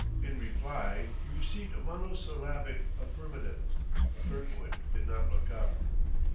In reply he received a monosyllabic affirmative; Kirkwood did not look up.